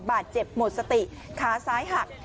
บาดเจ็บหมดสติขาซ้ายหัก